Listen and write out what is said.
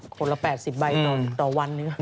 คนละ๘๐ใบต่อวันหนึ่ง